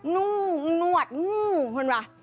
งู้นวดงู้เห็นไหม